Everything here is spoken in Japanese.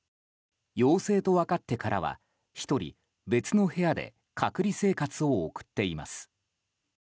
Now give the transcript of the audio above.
陽性とわかってからは１人、別の部屋で隔離生活を送っています。